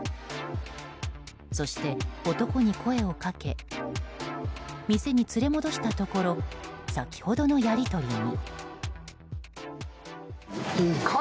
そして、男に声をかけ店に連れ戻したところ先ほどのやり取りに。